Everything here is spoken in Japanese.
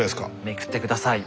めくって下さい。